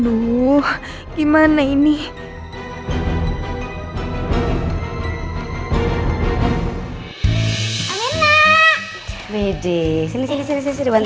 aku masih mau makan